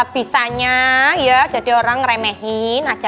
bisa nya ya jadi orang ngeremehin aja